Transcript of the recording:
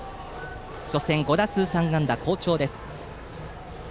初戦は５打数３安打と好調です。